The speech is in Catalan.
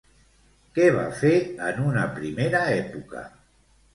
Què va fer en una primera època?